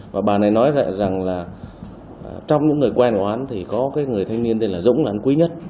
và bà này nói rằng là trong những người quen của hắn thì có người thanh niên tên là dũng là anh quý nhất